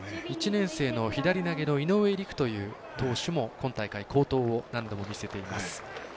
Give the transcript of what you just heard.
１年生の左投げの井上陸という投手も今大会、好投を何度も見せています。